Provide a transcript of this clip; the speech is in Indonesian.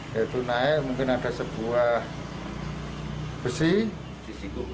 yaitu naik mungkin ada sebuah besi